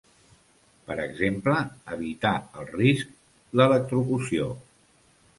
Per exemple, evitar el risc l'electrocució.